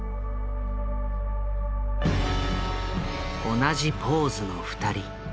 同じポーズの２人。